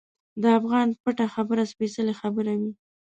د افغان پټه خبره سپیڅلې خبره وي.